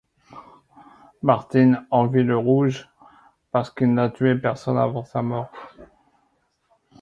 Martyne envie Le Rouge parce qu'il n'a tué personne avant sa mort.